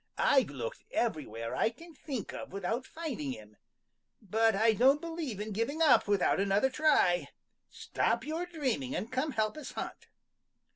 I've looked everywhere I can think of without finding him, but I don't believe in giving up without another try. Stop your dreaming and come help us hunt."